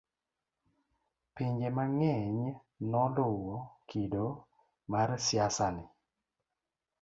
pinje mang'eny noluwo kido mar siasa ni